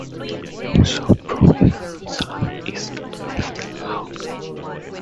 In South Florida, salami is left out.